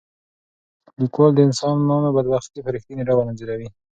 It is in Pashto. لیکوال د انسانانو بدبختي په رښتیني ډول انځوروي.